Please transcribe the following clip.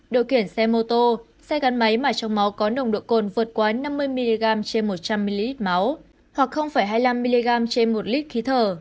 điều khiển xe mô tô xe gắn máy mà trong máu có nồng độ cồn vượt quá năm mươi mg trên một trăm linh ml máu hoặc hai mươi năm mg trên một lít khí thở